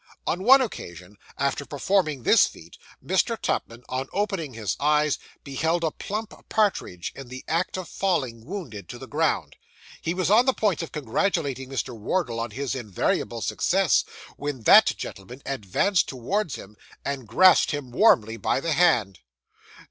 On one occasion, after performing this feat, Mr. Tupman, on opening his eyes, beheld a plump partridge in the act of falling, wounded, to the ground. He was on the point of congratulating Mr. Wardle on his invariable success, when that gentleman advanced towards him, and grasped him warmly by the hand.